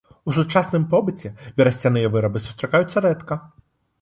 У сучасным побыце берасцяныя вырабы сустракаюцца рэдка.